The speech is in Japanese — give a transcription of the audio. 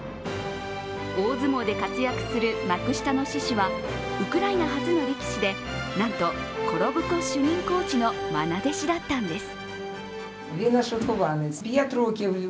大相撲で活躍する幕下の獅司はウクライナ初の力士でなんとコロブコ主任コーチのまな弟子だったんです。